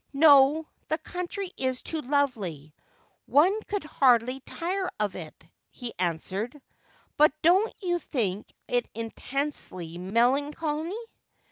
' No ; the country is too lovely, one could hardly tire of it.' he answered ;' but don't you think it intensely melancholy